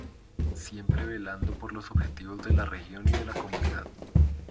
Siempre velando por los objetivos de la región y de la comunidad.